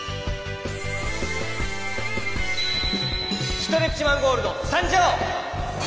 ストレッチマン・ゴールドさんじょう！